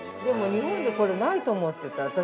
でも、日本でこれないと思ってた。